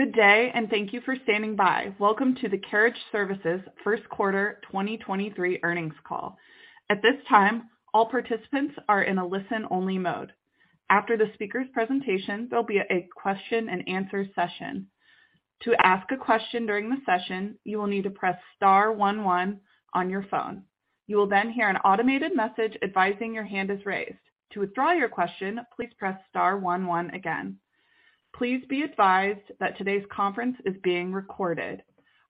Good day, and thank you for standing by. Welcome to the Carriage Services First Quarter 2023 Earnings Call. At this time, all participants are in a listen-only mode. After the speaker's presentation, there'll be a question and answer session. To ask a question during the session, you will need to press star one one on your phone. You will then hear an automated message advising your hand is raised. To withdraw your question, please press star one one again. Please be advised that today's conference is being recorded.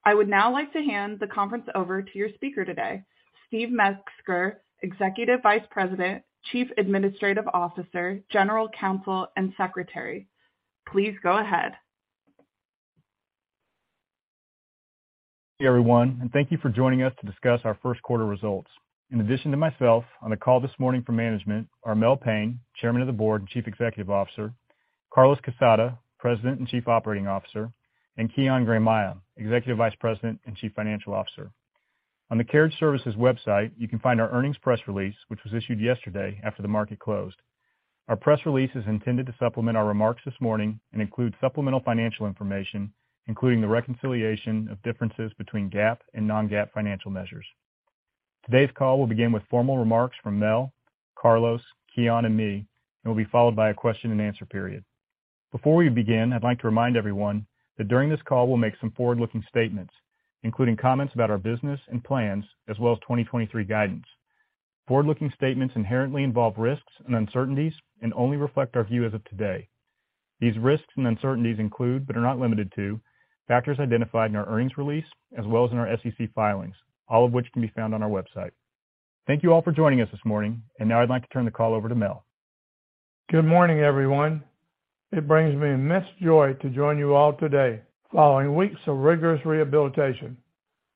I would now like to hand the conference over to your speaker today, Steve Metzger, Executive Vice President, Chief Administrative Officer, General Counsel, and Secretary. Please go ahead. Everyone, thank you for joining us to discuss our first quarter results. In addition to myself, on the call this morning for management are Mel Payne, Chairman of the Board and Chief Executive Officer, Carlos Quesada, President and Chief Operating Officer, and Kian Granmayeh, Executive Vice President and Chief Financial Officer. On the Carriage Services website, you can find our earnings press release, which was issued yesterday after the market closed. Our press release is intended to supplement our remarks this morning and includes supplemental financial information, including the reconciliation of differences between GAAP and non-GAAP financial measures. Today's call will begin with formal remarks from Mel, Carlos, Kian, and me, and will be followed by a question-and-answer period. Before we begin, I'd like to remind everyone that during this call we'll make some forward-looking statements, including comments about our business and plans as well as 2023 guidance. Forward-looking statements inherently involve risks and uncertainties and only reflect our view as of today. These risks and uncertainties include, but are not limited to, factors identified in our earnings release as well as in our SEC filings, all of which can be found on our website. Thank you all for joining us this morning, now I'd like to turn the call over to Mel. Good morning, everyone. It brings me immense joy to join you all today following weeks of rigorous rehabilitation.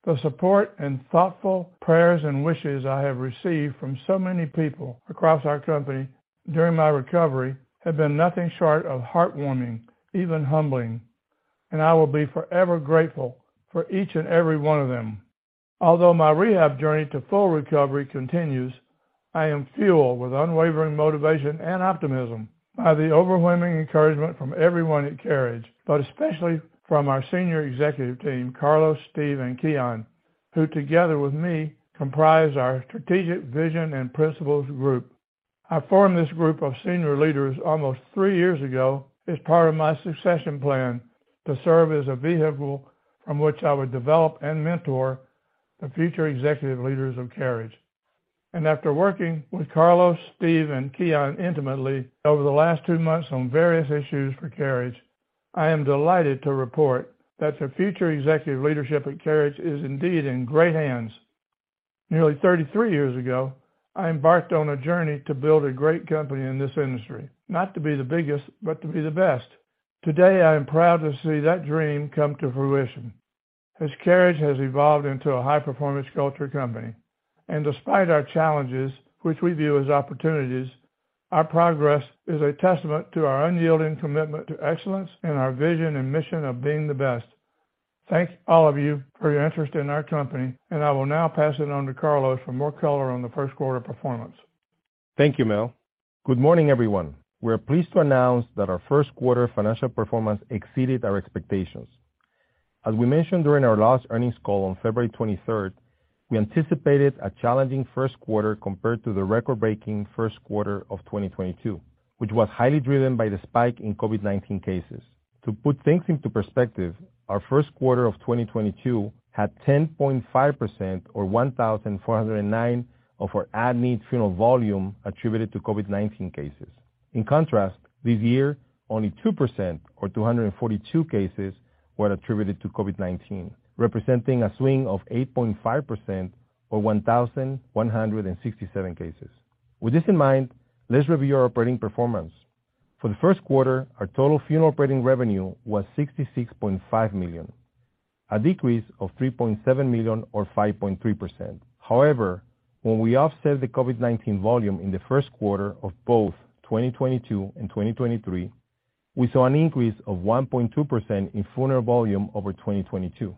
The support and thoughtful prayers and wishes I have received from so many people across our company during my recovery have been nothing short of heartwarming, even humbling, and I will be forever grateful for each and every one of them. Although my rehab journey to full recovery continues, I am fueled with unwavering motivation and optimism by the overwhelming encouragement from everyone at Carriage, but especially from our senior executive team, Carlos, Steve, and Kian, who together with me comprise our Strategic Vision and Principles Group. I formed this group of senior leaders almost three years ago as part of my succession plan to serve as a vehicle from which I would develop and mentor the future executive leaders of Carriage. After working with Carlos, Steve, and Kian intimately over the last two months on various issues for Carriage, I am delighted to report that the future executive leadership at Carriage is indeed in great hands. Nearly 33 years ago, I embarked on a journey to build a great company in this industry, not to be the biggest, but to be the best. Today, I am proud to see that dream come to fruition, as Carriage has evolved into a high-performance culture company. Despite our challenges, which we view as opportunities, our progress is a testament to our unyielding commitment to excellence and our vision and mission of being the best. Thanks all of you for your interest in our company, and I will now pass it on to Carlos for more color on the first quarter performance. Thank you, Mel. Good morning, everyone. We're pleased to announce that our first quarter financial performance exceeded our expectations. As we mentioned during our last earnings call on February 23rd, we anticipated a challenging first quarter compared to the record-breaking first quarter of 2022, which was highly driven by the spike in COVID-19 cases. To put things into perspective, our first quarter of 2022 had 10.5% or 1,409 of our at-need funeral volume attributed to COVID-19 cases. In contrast, this year, only 2% or 242 cases were attributed to COVID-19, representing a swing of 8.5% or 1,167 cases. With this in mind, let's review our operating performance. For the first quarter, our total funeral operating revenue was $66.5 million, a decrease of $3.7 million or 5.3%. When we offset the COVID-19 volume in the first quarter of both 2022 and 2023, we saw an increase of 1.2% in funeral volume over 2022.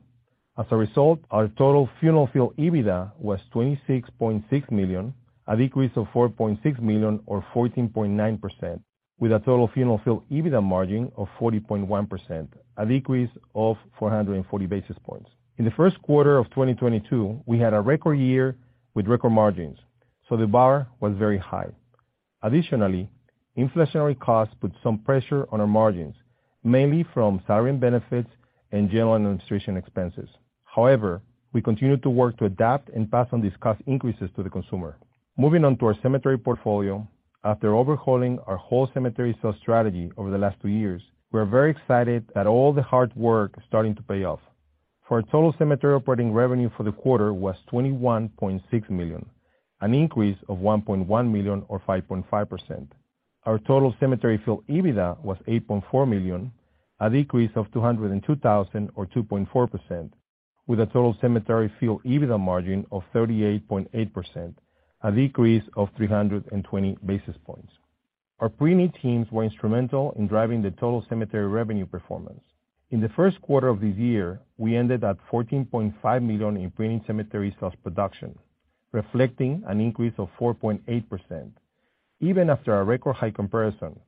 Our total funeral field EBITDA was $26.6 million, a decrease of $4.6 million or 14.9%, with a total funeral field EBITDA margin of 40.1%, a decrease of 440 basis points. In the first quarter of 2022, we had a record year with record margins, so the bar was very high. Additionally, inflationary costs put some pressure on our margins, mainly from salary and benefits and general administration expenses. We continued to work to adapt and pass on these cost increases to the consumer. Moving on to our cemetery portfolio. After overhauling our whole cemetery sales strategy over the last two years, we are very excited that all the hard work is starting to pay off. For our total cemetery operating revenue for the quarter was $21.6 million, an increase of $1.1 million or 5.5%. Our total cemetery field EBITDA was $8.4 million, a decrease of $202,000 or 2.4%, with a total cemetery field EBITDA margin of 38.8%, a decrease of 320 basis points. Our pre-need teams were instrumental in driving the total cemetery revenue performance. In the first quarter of this year, we ended at $14.5 million in pre-need cemetery sales production, reflecting an increase of 4.8%. Even after a record high comparison,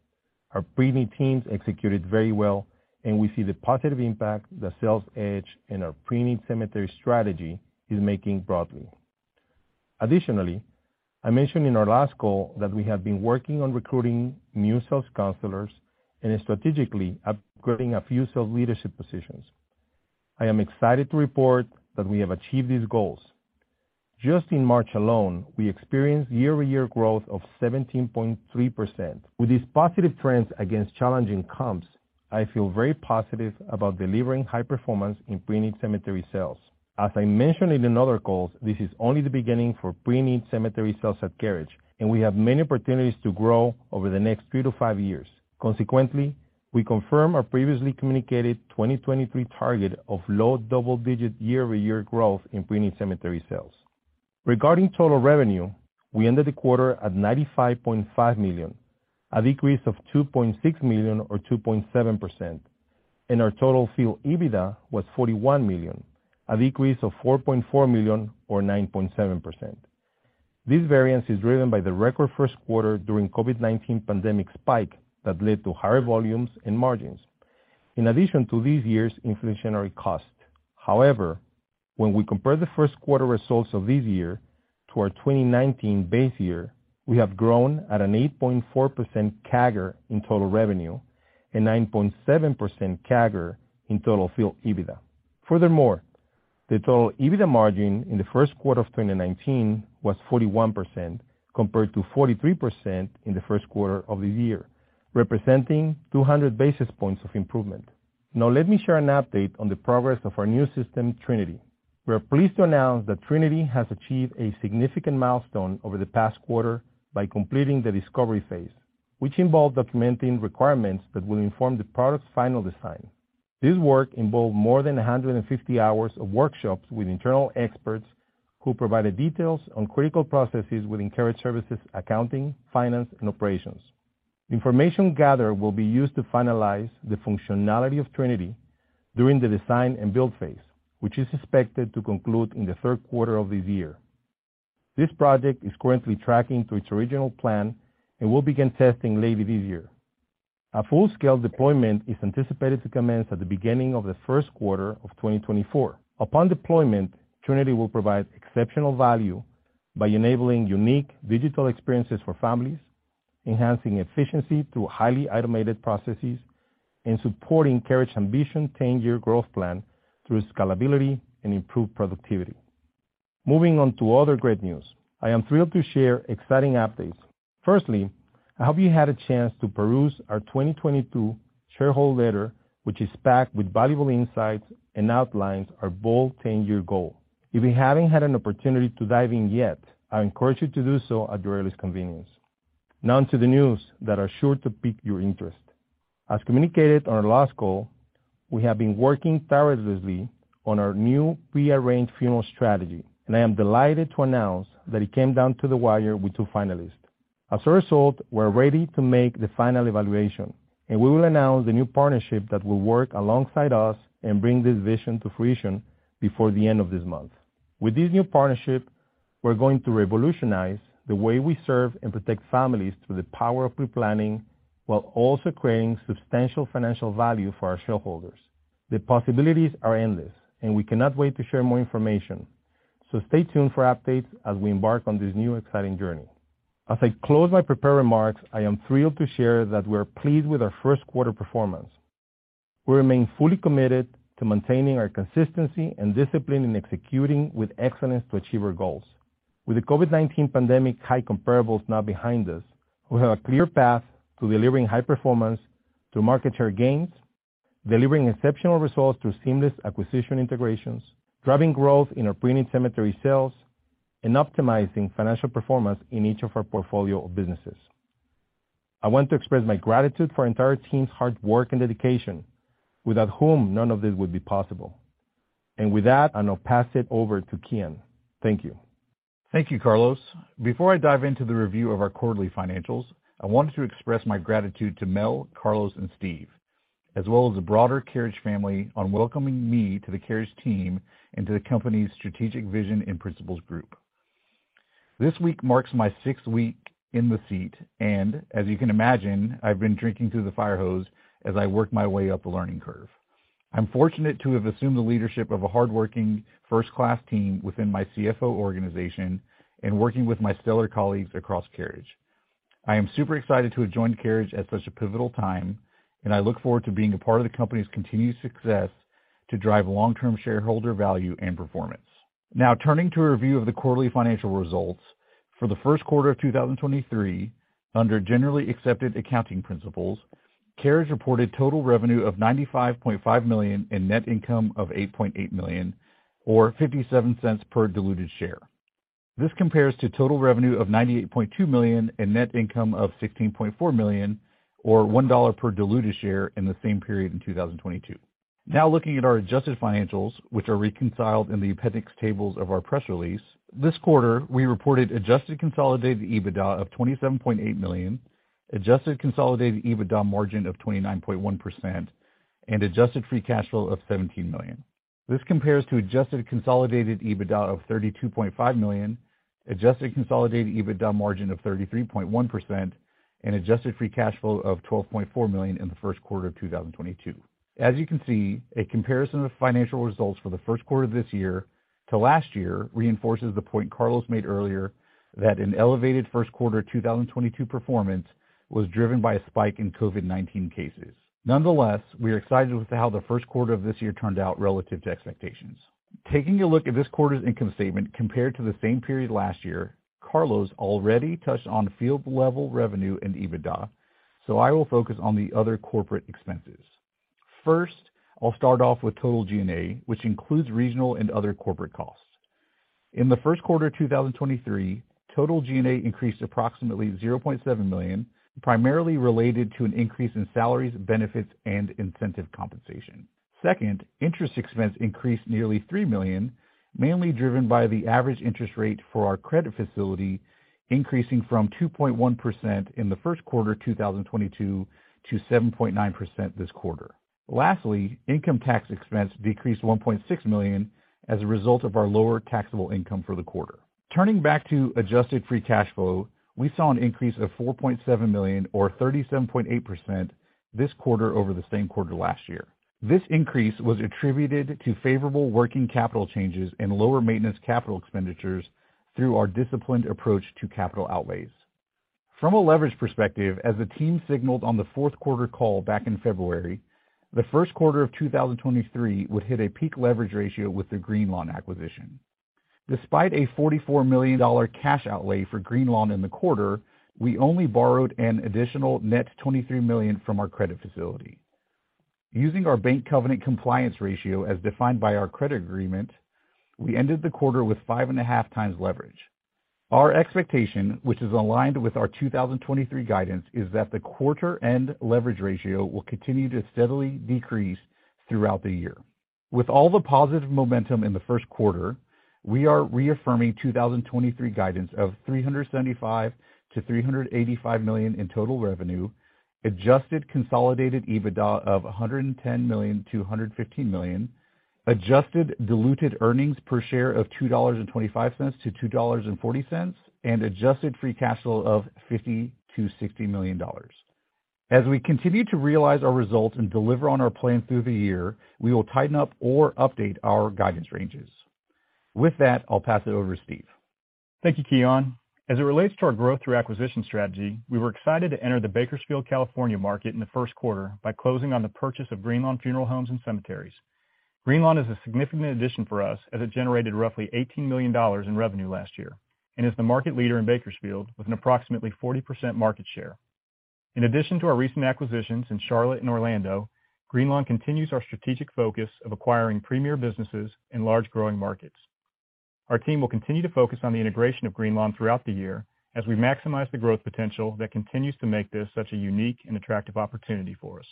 our pre-need teams executed very well. We see the positive impact the Sales Edge in our pre-need cemetery strategy is making broadly. Additionally, I mentioned in our last call that we have been working on recruiting new sales counselors and strategically upgrading a few sales leadership positions. I am excited to report that we have achieved these goals. Just in March alone, we experienced year-over-year growth of 17.3%. With these positive trends against challenging comps, I feel very positive about delivering high performance in pre-need cemetery sales. As I mentioned in another calls, this is only the beginning for preneed cemetery sales at Carriage, and we have many opportunities to grow over the next three to five years. We confirm our previously communicated 2023 target of low double-digit year-over-year growth in preneed cemetery sales. Regarding total revenue, we ended the quarter at $95.5 million, a decrease of $2.6 million or 2.7%, and our total field EBITDA was $41 million, a decrease of $4.4 million or 9.7%. This variance is driven by the record first quarter during COVID-19 pandemic spike that led to higher volumes and margins, in addition to this year's inflationary costs. However, when we compare the first quarter results of this year to our 2019 base year, we have grown at an 8.4% CAGR in total revenue and 9.7% CAGR in total field EBITDA. Furthermore, the total EBITDA margin in the first quarter of 2019 was 41% compared to 43% in the first quarter of this year, representing 200 basis points of improvement. Now let me share an update on the progress of our new system, Trinity. We are pleased to announce that Trinity has achieved a significant milestone over the past quarter by completing the discovery phase, which involved documenting requirements that will inform the product's final design. This work involved more than 150 hours of workshops with internal experts who provided details on critical processes within Carriage Services, accounting, finance, and operations. Information gathered will be used to finalize the functionality of Trinity during the design and build phase, which is expected to conclude in the third quarter of this year. This project is currently tracking to its original plan and will begin testing later this year. A full-scale deployment is anticipated to commence at the beginning of the 1st quarter of 2024. Upon deployment, Trinity will provide exceptional value by enabling unique digital experiences for families, enhancing efficiency through highly automated processes, and supporting Carriage ambition 10-year growth plan through scalability and improved productivity. Moving on to other great news. I am thrilled to share exciting updates. Firstly, I hope you had a chance to peruse our 2022 shareholder letter, which is packed with valuable insights and outlines our bold 10-year goal. If you haven't had an opportunity to dive in yet, I encourage you to do so at your earliest convenience. On to the news that are sure to pique your interest. As communicated on our last call, we have been working tirelessly on our new pre-arranged funeral strategy, and I am delighted to announce that it came down to the wire with two finalists. As a result, we're ready to make the final evaluation, and we will announce the new partnership that will work alongside us and bring this vision to fruition before the end of this month. With this new partnership, we're going to revolutionize the way we serve and protect families through the power of pre-planning, while also creating substantial financial value for our shareholders. The possibilities are endless, and we cannot wait to share more information. Stay tuned for updates as we embark on this new exciting journey. As I close my prepared remarks, I am thrilled to share that we are pleased with our first quarter performance. We remain fully committed to maintaining our consistency and discipline in executing with excellence to achieve our goals. With the COVID-19 pandemic high comparables now behind us, we have a clear path to delivering high performance through market share gains, delivering exceptional results through seamless acquisition integrations, driving growth in our pre-need cemetery sales, and optimizing financial performance in each of our portfolio of businesses. I want to express my gratitude for our entire team's hard work and dedication, without whom none of this would be possible. With that, I now pass it over to Kian. Thank you. Thank you, Carlos. Before I dive into the review of our quarterly financials, I want to express my gratitude to Mel, Carlos, and Steve, as well as the broader Carriage family on welcoming me to the Carriage team and to the company's Strategic Vision and Principles Group. This week marks my sixth week in the seat, and as you can imagine, I've been drinking through the fire hose as I work my way up the learning curve. I'm fortunate to have assumed the leadership of a hardworking first-class team within my CFO organization and working with my stellar colleagues across Carriage. I am super excited to have joined Carriage at such a pivotal time, and I look forward to being a part of the company's continued success to drive long-term shareholder value and performance. Turning to a review of the quarterly financial results. For the first quarter of 2023, under generally accepted accounting principles, Carriage reported total revenue of $95.5 million and net income of $8.8 million or $0.57 per diluted share. This compares to total revenue of $98.2 million and net income of $16.4 million or $1.00 per diluted share in the same period in 2022. Looking at our adjusted financials, which are reconciled in the appendix tables of our press release. This quarter, we reported adjusted consolidated EBITDA of $27.8 million, Adjusted consolidated EBITDA margin of 29.1% and adjusted free cash flow of $17 million. This compares to adjusted consolidated EBITDA of $32.5 million, adjusted consolidated EBITDA margin of 33.1% and adjusted free cash flow of $12.4 million in the first quarter of 2022. As you can see, a comparison of financial results for the first quarter of this year to last year reinforces the point Carlos made earlier that an elevated first quarter 2022 performance was driven by a spike in COVID-19 cases. Nonetheless, we are excited with how the first quarter of this year turned out relative to expectations. Taking a look at this quarter's income statement compared to the same period last year, Carlos already touched on field-level revenue and EBITDA, so I will focus on the other corporate expenses. First, I'll start off with total G&A, which includes regional and other corporate costs. In the first quarter 2023, total G&A increased approximately $0.7 million, primarily related to an increase in salaries, benefits and incentive compensation. Second, interest expense increased nearly $3 million, mainly driven by the average interest rate for our credit facility, increasing from 2.1% in the first quarter 2022 to 7.9% this quarter. Lastly, income tax expense decreased $1.6 million as a result of our lower taxable income for the quarter. Turning back to adjusted free cash flow, we saw an increase of $4.7 million or 37.8% this quarter over the same quarter last year. This increase was attributed to favorable working capital changes and lower maintenance capital expenditures through our disciplined approach to capital outlays. From a leverage perspective, as the team signaled on the fourth quarter call back in February, the first quarter of 2023 would hit a peak leverage ratio with the Greenlawn acquisition. Despite a $44 million cash outlay for Greenlawn in the quarter, we only borrowed an additional net $23 million from our credit facility. Using our bank covenant compliance ratio as defined by our credit agreement, we ended the quarter with 5.5x leverage. Our expectation, which is aligned with our 2023 guidance, is that the quarter end leverage ratio will continue to steadily decrease throughout the year. With all the positive momentum in the first quarter, we are reaffirming 2023 guidance of $375 million-$385 million in total revenue, adjusted consolidated EBITDA of $110 million-$115 million, adjusted diluted earnings per share of $2.25-$2.40, and adjusted free cash flow of $50 million-$60 million. As we continue to realize our results and deliver on our plan through the year, we will tighten up or update our guidance ranges. With that, I'll pass it over to Steve. Thank you, Kian. As it relates to our growth through acquisition strategy, we were excited to enter the Bakersfield, California, market in the first quarter by closing on the purchase of Greenlawn Funeral Homes, Cemeteries and Cremations. Greenlawn is a significant addition for us as it generated roughly $18 million in revenue last year and is the market leader in Bakersfield with an approximately 40% market share. In addition to our recent acquisitions in Charlotte and Orlando, Greenlawn continues our strategic focus of acquiring premier businesses in large growing markets. Our team will continue to focus on the integration of Greenlawn throughout the year as we maximize the growth potential that continues to make this such a unique and attractive opportunity for us.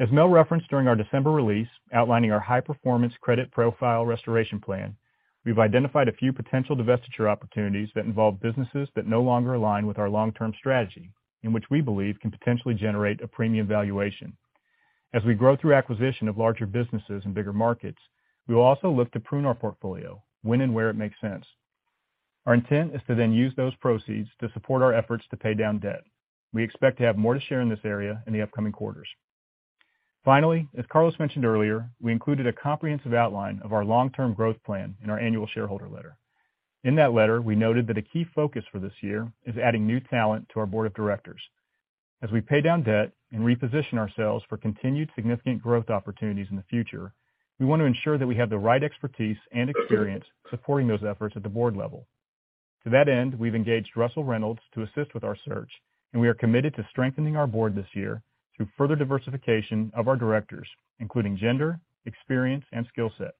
As Mel referenced during our December release outlining our high-performance credit profile restoration plan, we've identified a few potential divestiture opportunities that involve businesses that no longer align with our long-term strategy in which we believe can potentially generate a premium valuation. We grow through acquisition of larger businesses in bigger markets, we will also look to prune our portfolio when and where it makes sense. Our intent is to then use those proceeds to support our efforts to pay down debt. We expect to have more to share in this area in the upcoming quarters. As Carlos mentioned earlier, we included a comprehensive outline of our long-term growth plan in our annual shareholder letter. In that letter, we noted that a key focus for this year is adding new talent to our board of directors. As we pay down debt and reposition ourselves for continued significant growth opportunities in the future, we want to ensure that we have the right expertise and experience supporting those efforts at the board level. To that end, we've engaged Russell Reynolds to assist with our search, and we are committed to strengthening our board this year through further diversification of our directors, including gender, experience, and skill set.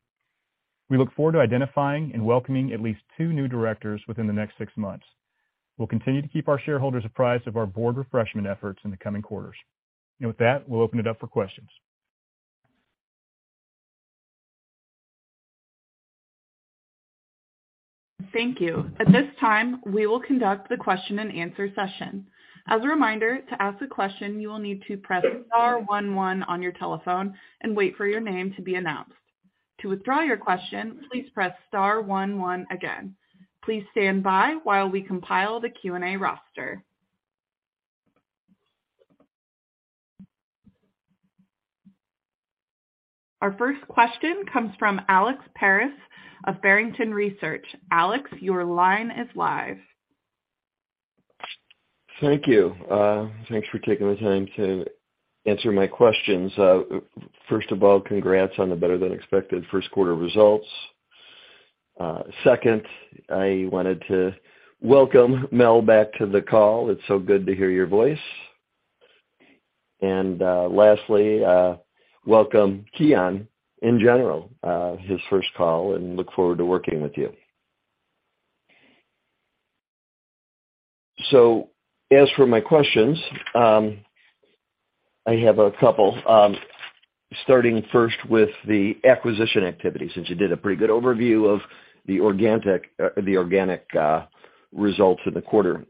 We look forward to identifying and welcoming at least two new directors within the next six months. We'll continue to keep our shareholders apprised of our board refreshment efforts in the coming quarters. With that, we'll open it up for questions. Thank you. At this time, we will conduct the question-and-answer session. As a reminder, to ask a question, you will need to press star one one on your telephone and wait for your name to be announced. To withdraw your question, please press star one one again. Please stand by while we compile the Q&A roster. Our first question comes from Alex Paris of Barrington Research. Alex, your line is live. Thank you. Thanks for taking the time to answer my questions. First of all, congrats on the better-than-expected 1st quarter results. Second, I wanted to welcome Mel back to the call. It's so good to hear your voice. Lastly, welcome Kian in general, his first call, and look forward to working with you. As for my questions, I have a couple, starting 1st with the acquisition activity, since you did a pretty good overview of the organic, the organic results in the quarter.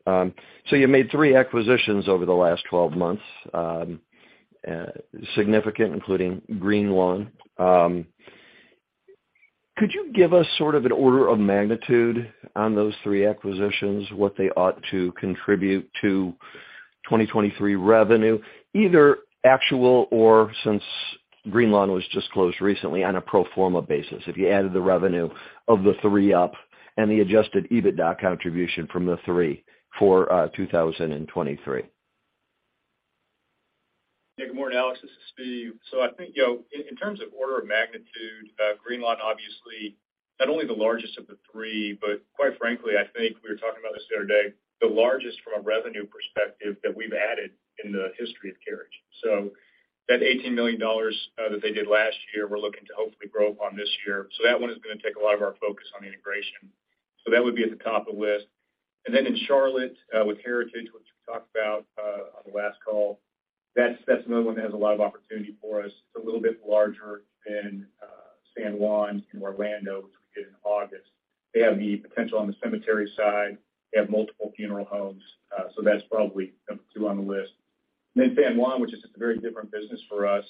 You made three acquisitions over the last 12 months, significant, including Greenlawn Could you give us sort of an order of magnitude on those three acquisitions, what they ought to contribute to 2023 revenue, either actual or since Greenlawn was just closed recently on a pro forma basis, if you added the revenue of the three up and the adjusted EBITDA contribution from the three for 2023? Yeah, good morning, Alex. This is Steve. I think, you know, in terms of order of magnitude, Greenlawn, obviously not only the largest of the three, but quite frankly, I think we were talking about this the other day, the largest from a revenue perspective that we've added in the history of Carriage. That $18 million that they did last year, we're looking to hopefully grow up on this year. That one is gonna take a lot of our focus on integration. That would be at the top of the list. In Charlotte, with Heritage, which we talked about on the last call, that's another one that has a lot of opportunity for us. It's a little bit larger than San Juan and Orlando, which we did in August. They have the potential on the cemetery side. They have multiple funeral homes, that's probably number two on the list. San Juan, which is just a very different business for us,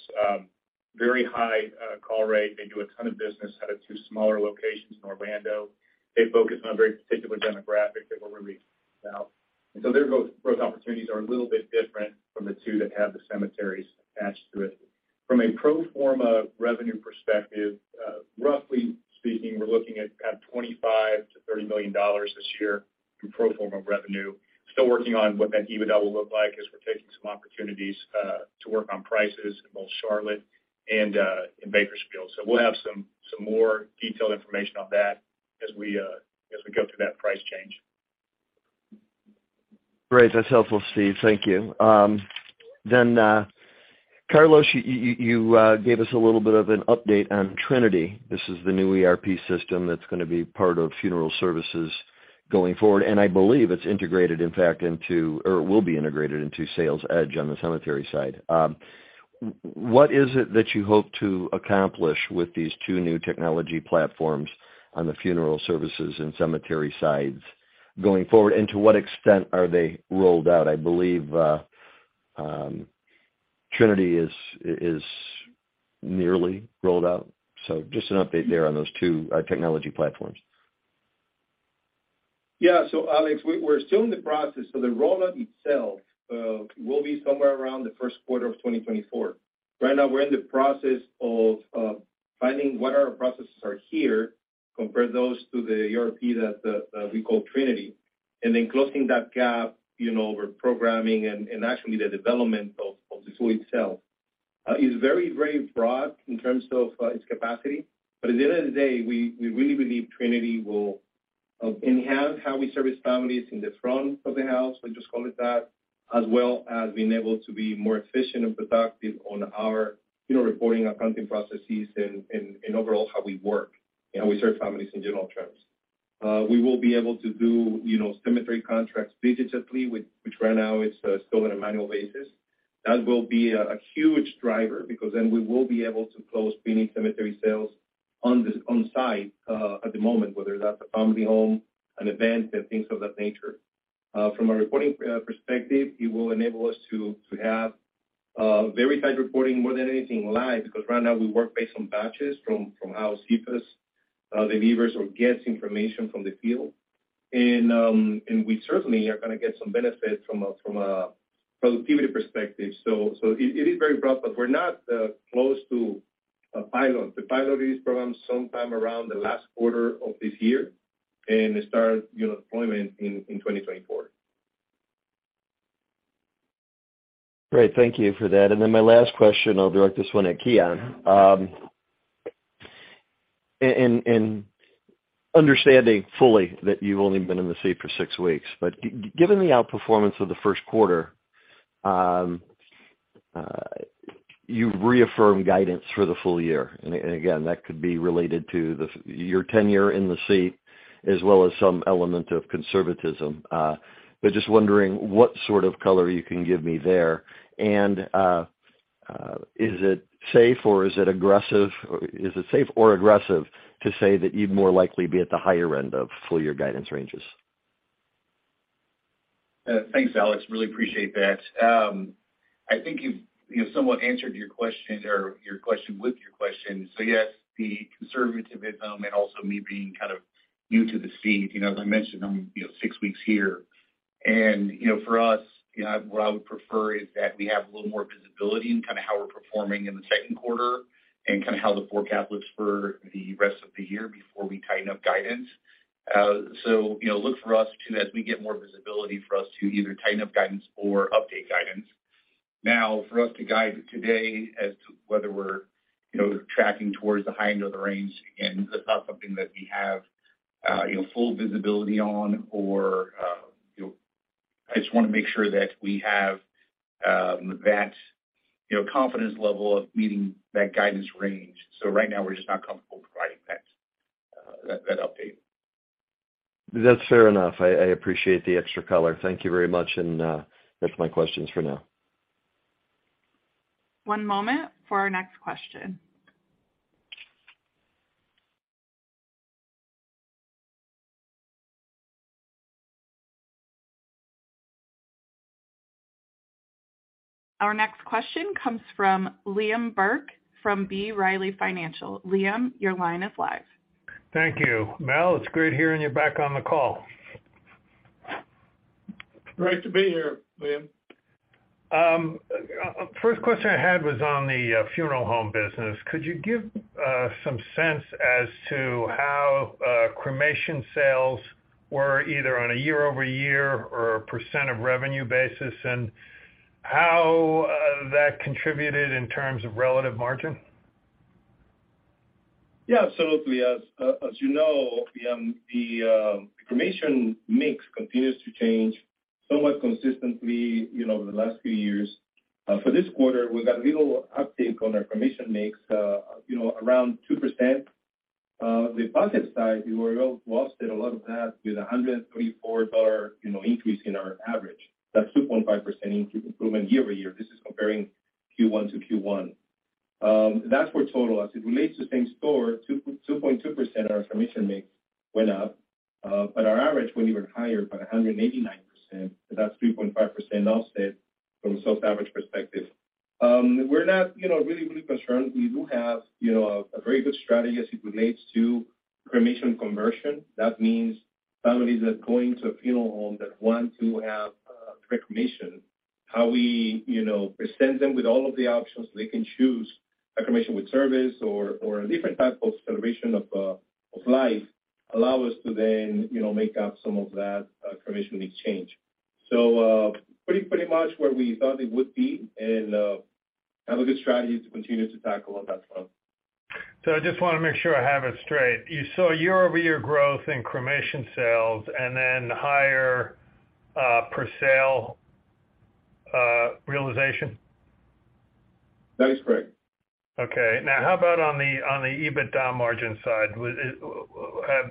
very high call rate. They do a ton of business out of two smaller locations in Orlando. They focus on a very particular demographic that we're really about. Their growth opportunities are a little bit different from the two that have the cemeteries attached to it. From a pro forma revenue perspective, roughly speaking, we're looking at kind of $25 million-$30 million this year in pro forma revenue. Still working on what that EBITDA will look like as we're taking some opportunities to work on prices in both Charlotte and in Bakersfield. We'll have some more detailed information on that as we go through that price change. Great. That's helpful, Steve. Thank you. Carlos, you gave us a little bit of an update on Trinity. This is the new ERP system that's gonna be part of funeral services going forward. I believe it's integrated, in fact, into or will be integrated into Sales Edge on the cemetery side. What is it that you hope to accomplish with these two new technology platforms on the funeral services and cemetery sides going forward? To what extent are they rolled out? I believe Trinity is nearly rolled out, so just an update there on those two technology platforms. Yeah. Alex, we're still in the process. The rollout itself will be somewhere around the first quarter of 2024. Right now, we're in the process of finding what our processes are here, compare those to the ERP that we call Trinity, and then closing that gap, you know, over programming and actually the development of the tool itself. It's very, very broad in terms of its capacity. At the end of the day, we really believe Trinity will enhance how we service families in the front of the house, we just call it that, as well as being able to be more efficient and productive on our, you know, reporting accounting processes and overall how we work and how we serve families in general terms. We will be able to do, you know, cemetery contracts digitally, which right now is still on a manual basis. That will be a huge driver because then we will be able to close pre-need cemetery sales on-site at the moment, whether that's a family home, an event, and things of that nature. From a reporting perspective, it will enable us to have very tight reporting more than anything live, because right now we work based on batches from our CFAs, the levers or gets information from the field. We certainly are gonna get some benefit from a productivity perspective. So it is very broad, but we're not close to a pilot. To pilot these programs sometime around the last quarter of this year and start, you know, deployment in 2024. Great. Thank you for that. Then my last question, I'll direct this one at Kian. And understanding fully that you've only been in the seat for six weeks, given the outperformance of the first quarter, you've reaffirmed guidance for the full year. Again, that could be related to your tenure in the seat as well as some element of conservatism. Just wondering what sort of color you can give me there. Is it safe or aggressive to say that you'd more likely be at the higher end of full year guidance ranges? Thanks, Alex. Really appreciate that. I think you've, you know, somewhat answered your question or your question with your question. Yes, the conservative element, also me being kind of new to the seat, you know, as I mentioned, I'm, you know, six weeks here. You know, for us, you know, what I would prefer is that we have a little more visibility in kinda how we're performing in the second quarter and kinda how the forecast looks for the rest of the year before we tighten up guidance. You know, look for us to, as we get more visibility for us to either tighten up guidance or update guidance. For us to guide today as to whether we're, you know, tracking towards the high end of the range, again, that's not something that we have, you know, full visibility on or, you know. I just wanna make sure that we have that, you know, confidence level of meeting that guidance range. Right now we're just not comfortable with that. That update. That's fair enough. I appreciate the extra color. Thank you very much, that's my questions for now. One moment for our next question. Our next question comes from Liam Burke from B. Riley Financial. Liam, your line is live. Thank you. Mel, it's great hearing you back on the call. Great to be here, Liam. First question I had was on the funeral home business. Could you give some sense as to how cremation sales were either on a year-over-year or a % of revenue basis, and how that contributed in terms of relative margin? Yeah, absolutely. As you know, the cremation mix continues to change somewhat consistently, you know, over the last few years. For this quarter, we got a little uptake on our cremation mix, you know, around 2%. The bucket side, we were able to offset a lot of that with a $134, you know, increase in our average. That's 2.5% increase improvement year-over-year. This is comparing Q1 to Q1. That's for total. As it relates to same store, 2.2% our cremation mix went up. Our average went even higher by 189%. That's 3.5% offset from a self average perspective. We're not, you know, really concerned. We do have, you know, a very good strategy as it relates to cremation conversion. That means families that go into a funeral home that want to have cremation, how we, you know, present them with all of the options they can choose a cremation with service or a different type of celebration of life, allow us to then, you know, make up some of that cremation mix change. Pretty much where we thought it would be and have a good strategy to continue to tackle on that front. I just wanna make sure I have it straight. You saw year-over-year growth in cremation sales and then higher, per sale, realization? That is correct. Okay. Now how about on the, on the EBITDA margin side?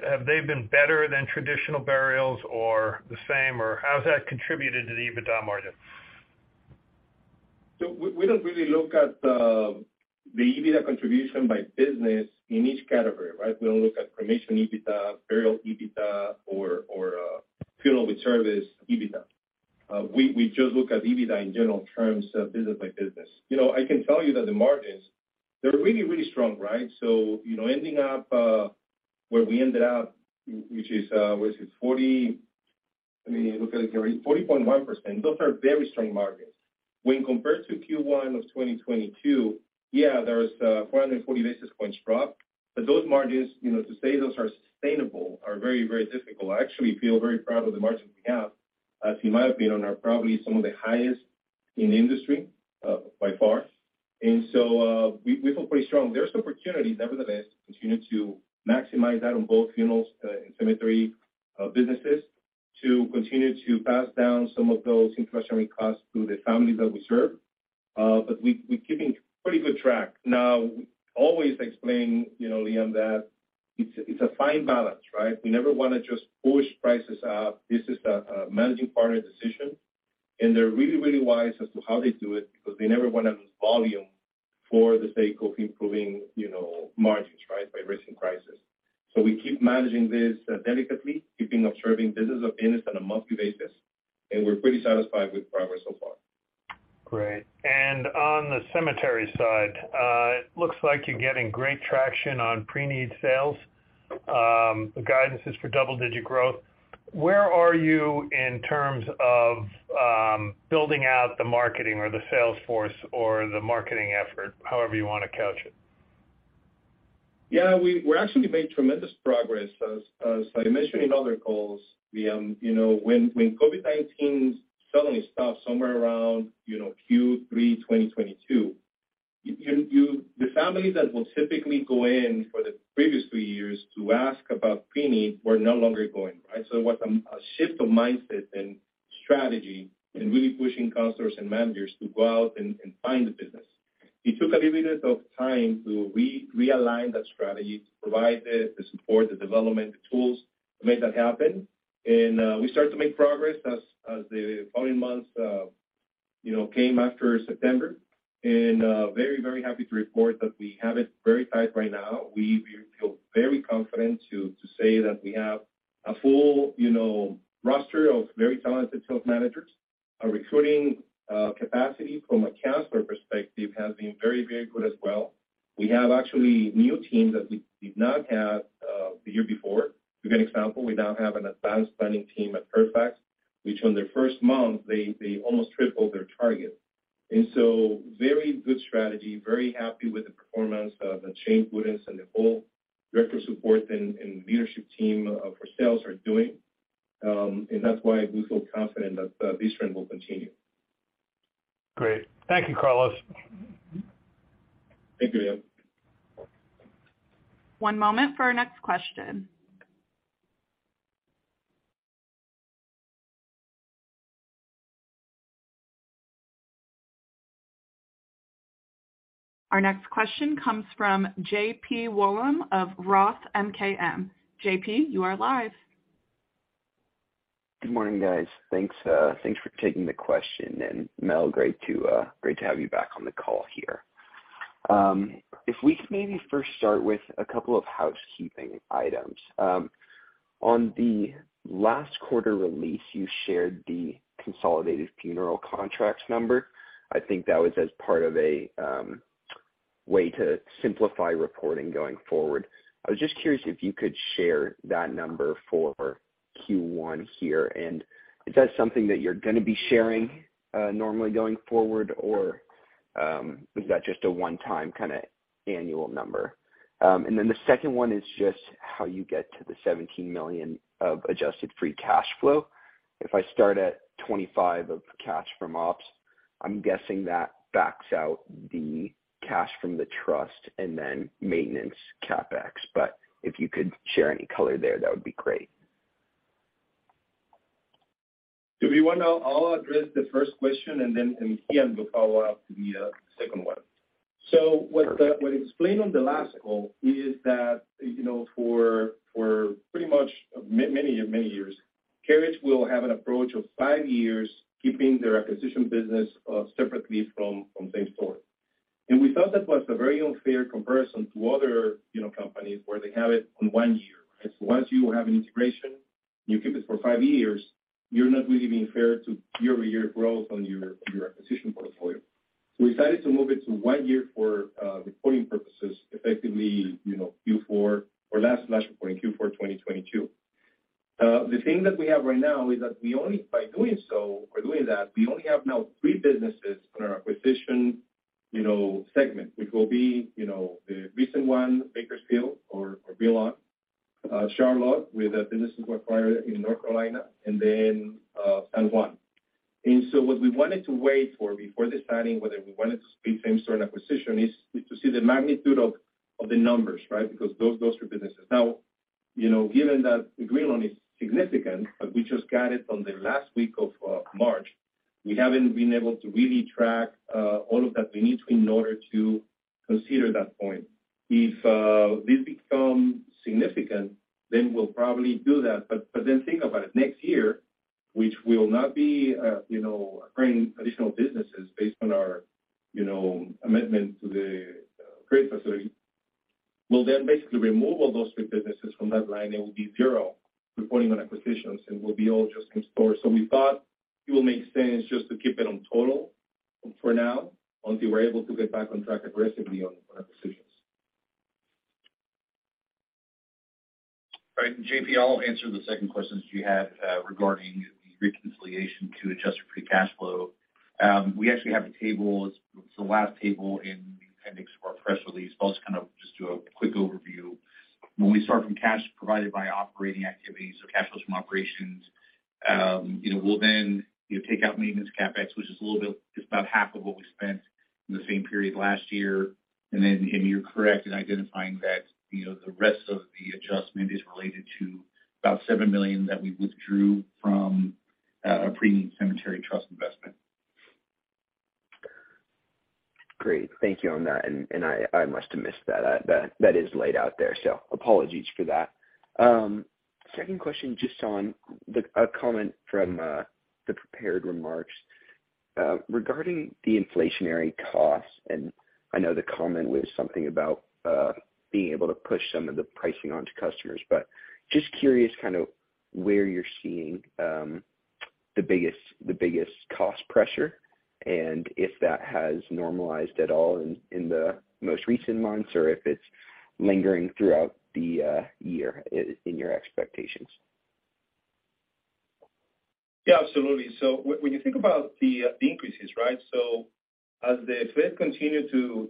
Have they been better than traditional burials or the same, or how has that contributed to the EBITDA margin? We don't really look at the EBITDA contribution by business in each category, right? We don't look at cremation EBITDA, burial EBITDA or funeral with service EBITDA. We just look at EBITDA in general terms of business by business. You know, I can tell you that the margins, they're really strong, right? You know, ending up where we ended up, which is what is it? Let me look at it here, 40.1%. Those are very strong margins. When compared to Q1 of 2022, yeah, there is a 440 basis points drop. Those margins, you know, to say those are sustainable are very difficult. I actually feel very proud of the margins we have. In my opinion, are probably some of the highest in the industry by far. We, we feel pretty strong. There's opportunity, nevertheless, to continue to maximize that on both funerals and cemetery businesses to continue to pass down some of those inflationary costs to the families that we serve. We, we're keeping pretty good track. Now, always explain, you know, Liam, that it's a fine balance, right? We never wanna just push prices up. This is a managing partner decision, and they're really, really wise as to how they do it because they never wanna lose volume for the sake of improving, you know, margins, right? By raising prices. We keep managing this delicately, keeping observing business of business on a monthly basis, and we're pretty satisfied with progress so far. Great. On the cemetery side, it looks like you're getting great traction on pre-need sales. The guidance is for double-digit growth. Where are you in terms of building out the marketing or the sales force or the marketing effort, however you wanna couch it? Yeah. We're actually made tremendous progress as I mentioned in other calls, you know, when COVID-19 suddenly stopped somewhere around, you know, Q3 2022, The families that would typically go in for the previous two years to ask about pre-need were no longer going, right? It was a shift of mindset and strategy and really pushing counselors and managers to go out and find the business. It took a little bit of time to realign that strategy to provide the support, the development, the tools to make that happen. We start to make progress as the following months, you know, came after September. Very, very happy to report that we have it very tight right now. We feel very confident to say that we have a full, you know, roster of very talented sales managers. Our recruiting capacity from a counselor perspective has been very, very good as well. We have actually new teams that we did not have the year before. To give an example, we now have an advanced planning team at Fairfax, which on their first month, they almost tripled their target. Very good strategy, very happy with the performance of the chain. Great. Thank you, Carlos. Thank you, Liam. One moment for our next question. Our next question comes from J.P. Wollam of ROTH MKM. J.P., you are live. Good morning, guys. Thanks, thanks for taking the question. Mel, great to, great to have you back on the call here. If we could maybe first start with a couple of housekeeping items. On the last quarter release, you shared the consolidated funeral contracts number. I think that was as part of a way to simplify reporting going forward. I was just curious if you could share that number for Q1 here. Is that something that you're gonna be sharing, normally going forward, or, is that just a one-time kinda annual number? The second one is just how you get to the $17 million of adjusted free cash flow. If I start at $25 of cash from ops, I'm guessing that backs out the cash from the trust and then maintenance CapEx. If you could share any color there, that would be great. If you want, I'll address the first question, and then Kian will follow up to the second one. What explained on the last call is that, you know, for pretty much many, many years, Carriage will have an approach of five years keeping their acquisition business separately from same store. We thought that was a very unfair comparison to other, you know, companies where they have it on one year. Once you have an integration, you keep it for five years, you're not really being fair to year-over-year growth on your acquisition portfolio. We decided to move it to 1 year for reporting purposes effectively, you know, Q4 or last reporting Q4 2022. The thing that we have right now is that by doing so or doing that, we only have now three businesses on our acquisition, you know, segment, which will be, you know, the recent one, Bakersfield or Greenlawn, Charlotte, with a business we acquired in North Carolina, and then San Juan. What we wanted to wait for before deciding whether we wanted to speak same-store acquisition is to see the magnitude of the numbers, right? Because those are businesses. Now, you know, given that Greenlawn is significant, but we just got it on the last week of March, we haven't been able to really track all of that we need to in order to consider that point. If this becomes significant, then we'll probably do that. Think about it, next year, which will not be, you know, acquiring additional businesses based on our, you know, amendment to the credit facility, we'll basically remove all those three businesses from that line, and it will be zero reporting on acquisitions, and we'll be all just in-store. We thought it will make sense just to keep it on total for now, until we're able to get back on track aggressively on acquisitions. Right. JP, I'll answer the second question that you had regarding the reconciliation to adjusted free cash flow. We actually have a table. It's the last table in the appendix of our press release, I'll just kind of just do a quick overview. When we start from cash provided by operating activities, so cash flows from operations, you know, we'll then, you know, take out maintenance CapEx, which is a little bit, it's about half of what we spent in the same period last year. Then, you're correct in identifying that, you know, the rest of the adjustment is related to about $7 million that we withdrew from a pre-need cemetery trust investment. Great. Thank you on that. I must have missed that. That is laid out there. Apologies for that. Second question, just on a comment from the prepared remarks, regarding the inflationary costs, and I know the comment was something about being able to push some of the pricing onto customers. Just curious kind of where you're seeing, the biggest cost pressure, and if that has normalized at all in the most recent months, or if it's lingering throughout the year in your expectations. Yeah, absolutely. When you think about the increases, right? As the Fed continue to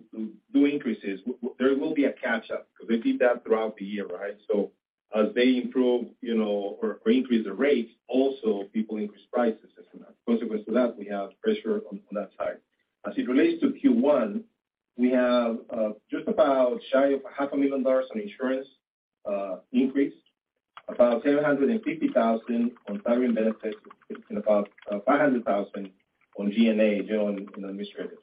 do increases, there will be a catch up because they did that throughout the year, right? As they improve, you know, or increase the rates, also people increase prices as a consequence. Consequence to that, we have pressure on that side. As it relates to Q1, we have just about shy $500,000 on insurance increase, about $750,000 on salary and benefits, and about $500,000 on G&A, general and administrative.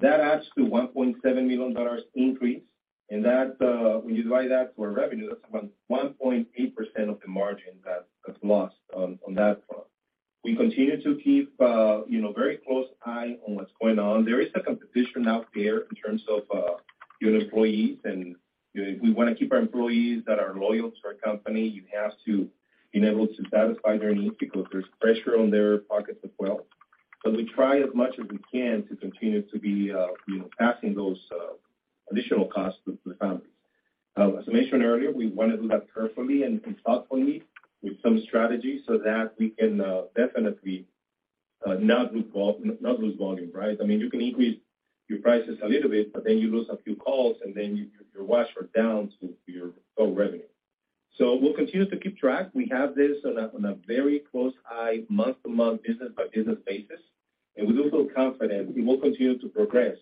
That adds to $1.7 million increase. When you divide that to our revenue, that's about 1.8% of the margin that's lost on that front. We continue to keep, you know, very close eye on what's going on. There is a competition out there in terms of getting employees, and, you know, we wanna keep our employees that are loyal to our company. You have to be able to satisfy their needs because there's pressure on their pockets as well. We try as much as we can to continue to be, you know, passing those additional costs to the families. As I mentioned earlier, we wanna do that carefully and thoughtfully with some strategy so that we can definitely not lose volume, right? I mean, you can increase your prices a little bit, but then you lose a few calls, and then your wash or downs will be your total revenue. We'll continue to keep track. We have this on a very close eye, month-to-month, business-by-business basis. We feel confident we will continue to progress.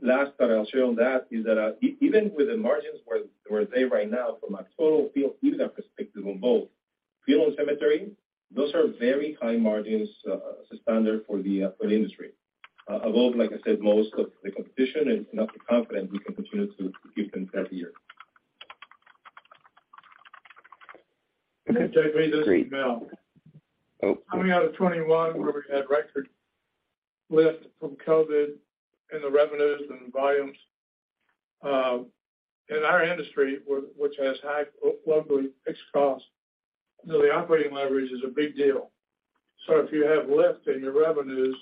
Last thought I'll share on that is that, even with the margins where they right now from a total fees are perspective on both. Funeral and cemetery, those are very high margins, as a standard for the industry. Above, like I said, most of the competition, and I'm confident we can continue to keep them that year. Jay, this is Mel. Oh. Coming out of 2021 where we had record lift from COVID-19 in the revenues and volumes, in our industry which has overly fixed costs, you know, the operating leverage is a big deal. If you have lift in your revenues,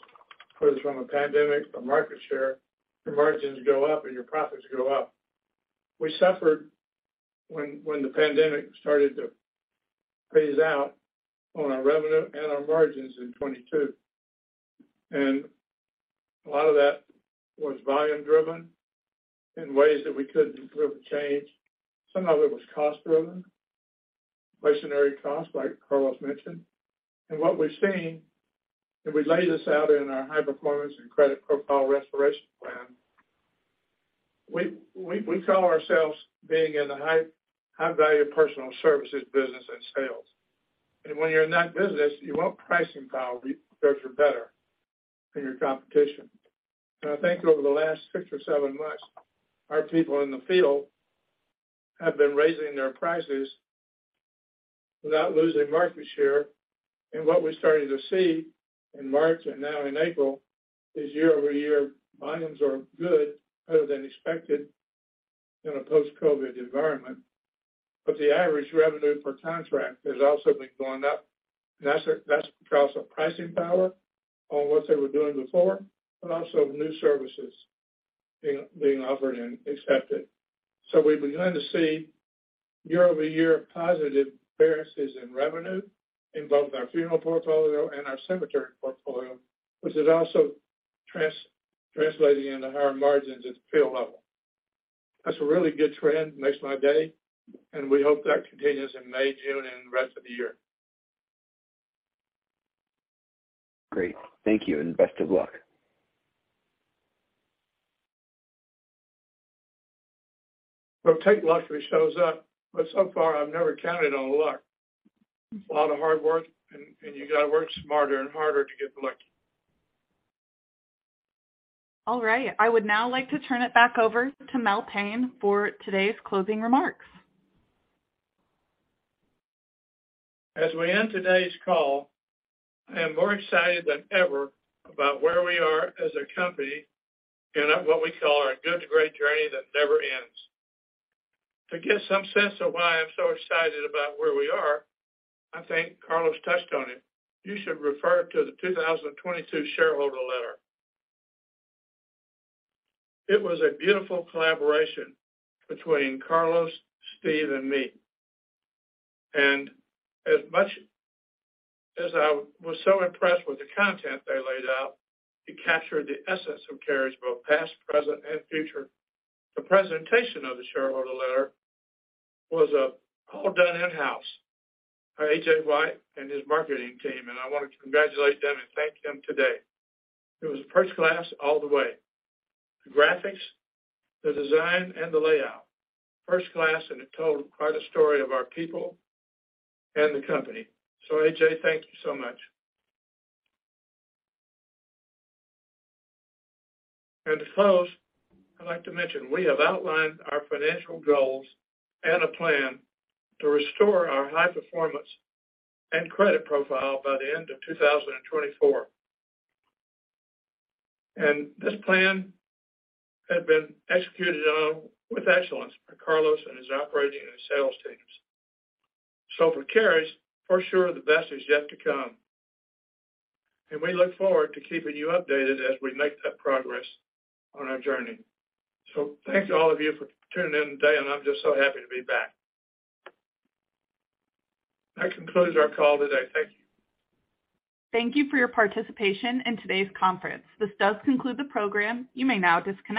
whether it's from a pandemic or market share, your margins go up and your profits go up. We suffered when the pandemic started to phase out on our revenue and our margins in 2022. A lot of that was volume-driven in ways that we couldn't really change. Some of it was cost-driven, missionary costs, like Carlos mentioned. What we've seen, and we laid this out in our high-performance credit profile restoration plan, we call ourselves being in the high-value personal services business and sales. When you're in that business, you want pricing power because you're better than your competition. I think over the last six or seven months, our people in the field have been raising their prices without losing market share. What we're starting to see in March and now in April is year-over-year volumes are good, better than expected in a post-COVID-19 environment. The average revenue per contract has also been going up. That's because of pricing power on what they were doing before, but also new services being offered and accepted. We began to see year-over-year positive variances in revenue in both our funeral portfolio and our cemetery portfolio, which is also translating into higher margins at the field level. That's a really good trend, makes my day, and we hope that continues in May, June, and the rest of the year. Great. Thank you, and best of luck. We'll take luck if it shows up, but so far I've never counted on luck. It's a lot of hard work and you gotta work smarter and harder to get lucky. All right. I would now like to turn it back over to Mel Payne for today's closing remarks. As we end today's call, I am more excited than ever about where we are as a company in what we call our good to great journey that never ends. To get some sense of why I'm so excited about where we are, I think Carlos touched on it. You should refer to the 2022 shareholder letter. It was a beautiful collaboration between Carlos, Steve, and me. As much as I was so impressed with the content they laid out, it captured the essence of Carriage, both past, present, and future. The presentation of the shareholder letter was all done in-house by A.J. White and his marketing team. I wanted to congratulate them and thank them today. It was first class all the way. The graphics, the design, and the layout. First class, it told quite a story of our people and the company. A.J., thank you so much. To close, I'd like to mention, we have outlined our financial goals and a plan to restore our high performance and credit profile by the end of 2024. This plan had been executed on with excellence by Carlos and his operating and sales teams. For Carriage, for sure the best is yet to come. We look forward to keeping you updated as we make that progress on our journey. Thanks to all of you for tuning in today, and I'm just so happy to be back. That concludes our call today. Thank you. Thank you for your participation in today's conference. This does conclude the program. You may now disconnect.